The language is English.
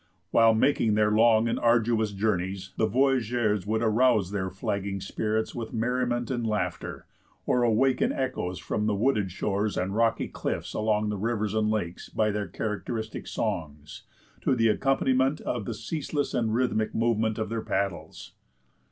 While making their long and arduous journeys, the voyageurs would arouse their flagging spirits with merriment and laughter, or awaken echoes from the wooded shores and rocky cliffs along the rivers and lakes, by their characteristic songs, to the accompaniment of the ceaseless and rhythmic movement of their paddles.